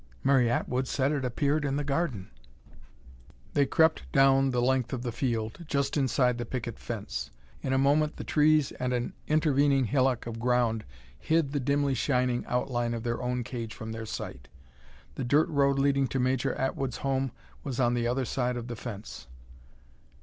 "Mary Atwood said it appeared in the garden." They crept down the length of the field, just inside the picket fence. In a moment the trees and an intervening hillock of ground hid the dimly shining outline of their own cage from their sight. The dirt road leading to Major Atwood's home was on the other side of the fence.